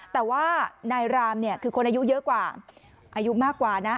แต่ว่านายรามเนี่ยคือคนอายุเยอะกว่าอายุมากกว่านะ